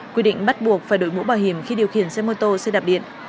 quy định bắt buộc phải đổi mũ bảo hiểm khi điều khiển xe mô tô xe đạp điện